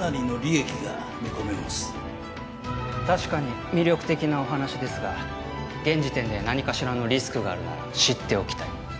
確かに魅力的なお話ですが現時点で何かしらのリスクがあるなら知っておきたい。